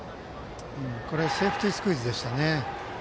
セーフティースクイズをしましたね。